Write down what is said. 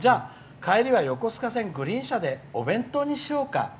帰りは横須賀線グリーン車でお弁当にしようか。